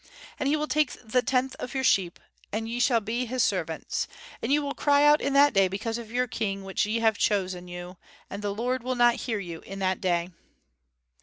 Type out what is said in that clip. And he will take the tenth of your sheep; and ye shall be his servants. And ye will cry out in that day because of your king which ye have chosen you, and the Lord will not hear you in that day."